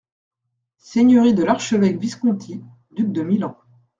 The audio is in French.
- Seigneurie de l'archevêque Visconti, duc de Milan.